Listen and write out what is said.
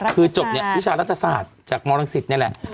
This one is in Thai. คือจบภิชารัฐศาสตร์จากมศิษย์นี่แหละ